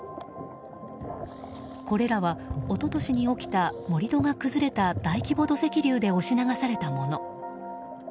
これらは、一昨年に起きた盛り土が崩れた大規模土石流で押し流されたもの。